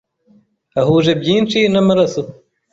ahuje byinshi n’amaraso